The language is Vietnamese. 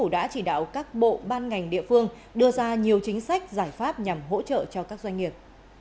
báo các bộ ban ngành địa phương đưa ra nhiều chính sách giải pháp nhằm hỗ trợ cho các doanh nghiệp